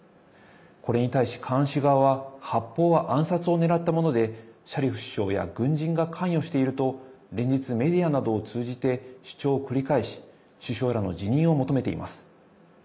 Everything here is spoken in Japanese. これに対しカーン氏側は発砲は暗殺を狙ったものでシャリフ首相や軍人が関与していると連日メディアなどを通じて主張を繰り返し首相らの辞任を求めています。